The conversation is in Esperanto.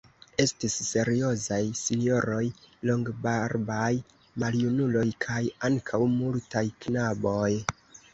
Estis seriozaj sinjoroj, longbarbaj maljunuloj kaj ankaŭ multaj knaboj.